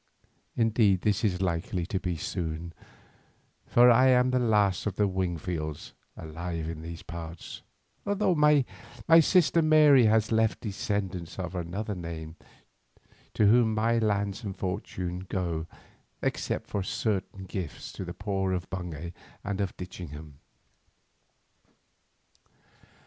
Indeed this is likely to be soon, for I am the last of the Wingfields alive in these parts, though my sister Mary has left descendants of another name to whom my lands and fortune go except for certain gifts to the poor of Bungay and of Ditchingham.